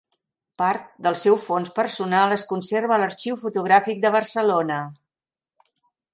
Part del seu fons personal es conserva a l'Arxiu Fotogràfic de Barcelona.